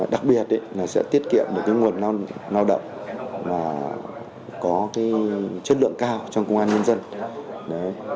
đặc biệt sẽ tiết kiệm được nguồn lao động có chất lượng cao trong công an nhân dân